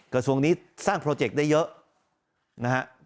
กระทรวงนี้สร้างโปรเจกต์ได้เยอะนะฮะ